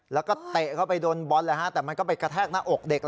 แล้วก็เตะเข้าไปโดนบอลเลยฮะแต่มันก็ไปกระแทกหน้าอกเด็ก